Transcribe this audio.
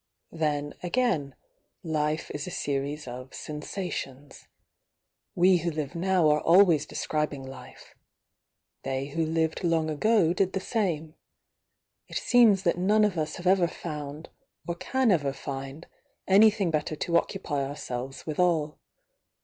Then, again— life is a series of "sensations." We who live now are always describing life. They who lived long ago did the same. It seems that none of us have ever found, or can ever find, anytiiing better to occupy ourselves withal.